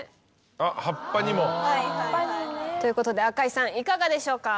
あっ葉っぱにも。ということで赤井さんいかがでしょうか？